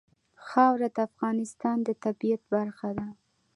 خاوره د افغانستان د طبیعت برخه ده.